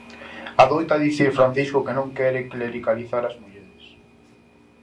Adoita dicir Francisco que non quere "clericalizar as mulleres".